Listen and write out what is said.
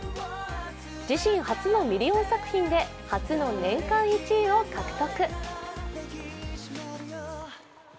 自身初のミリオン作品で初の年間１位を獲得。